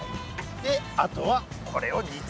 であとはこれを煮詰めるだけと。